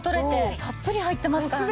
たっぷり入ってますからね。